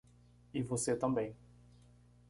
E você também.